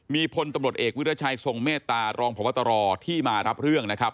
มีพลตำรวจเอกวิรัชัยทรงเมตตารองพบตรที่มารับเรื่องนะครับ